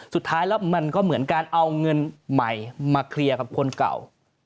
สุดท้ายแล้วมันก็เหมือนการเอาเงินใหม่มาเคลียร์กับคนเก่า